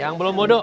yang belum bodo